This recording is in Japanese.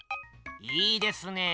いいですねえ。